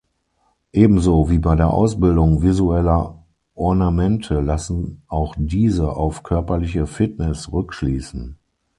Ebenso wie bei der Ausbildung visueller Ornamente lassen auch diese auf körperliche Fitness rückschließen.